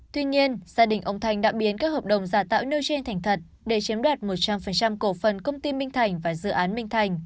tuy nhiên gia đình ông thành đã biến các hợp đồng giả tạo nêu trên thành thật để chiếm đoạt một trăm linh cổ phần công ty minh thành và dự án minh thành